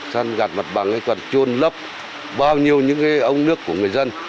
xăn gạt mặt bằng cái quần chuôn lấp bao nhiêu những cái ống nước của người dân